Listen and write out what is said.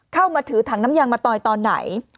เข้ามาถือถังน้ำยางมาตอยตอนไหน